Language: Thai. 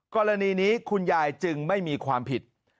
กรณีนี้คุณยายจึงไม่มีความผิด